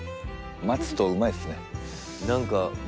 待つとうまいっすね。